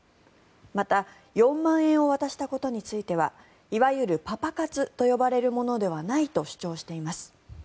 また、４万円を渡したことについてはいわゆるパパ活と呼ばれるものではないと主張しています。